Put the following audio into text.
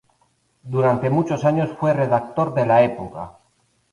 Durante muchos años fue redactor de "La Época".